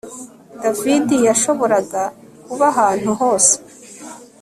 David yashoboraga kuba ahantu hose